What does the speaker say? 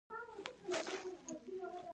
اصلاً نثر دی خو شعری کیفیت لري.